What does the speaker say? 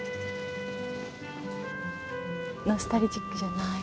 ノスタルジックじゃない？